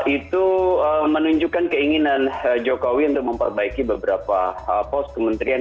itu menunjukkan keinginan jokowi untuk memperbaiki beberapa pos kementerian